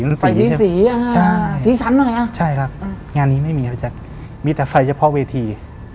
ไฟที่มีสีสีสันหน่อยนะใช่ค่ะงานนี้ไม่มีมีใช้แต่ไฟเฉพาะเวที